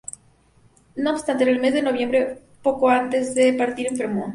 No obstante, en el mes de noviembre, poco antes de partir enfermó.